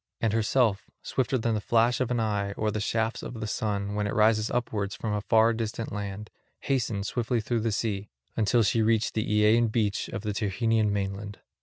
And herself, swifter than the flash of an eye or the shafts of the sun, when it rises upwards from a far distant land, hastened swiftly through the sea, until she reached the Aeaean beach of the Tyrrhenian mainland.